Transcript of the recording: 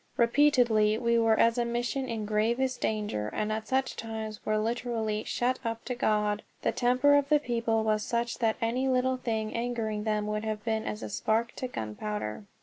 Repeatedly we were as a mission in gravest danger, and at such times were literally "shut up to God." The temper of the people was such that any little thing angering them would have been as a spark to gunpowder.